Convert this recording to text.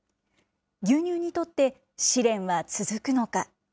牛乳にとって試練は続くのか。